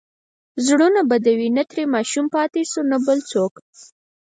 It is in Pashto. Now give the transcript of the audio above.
زړونه بدوي، نه ترې ماشوم پاتې شو، نه بل څوک.